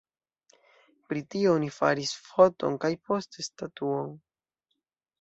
Pri tio oni faris foton kaj poste statuon.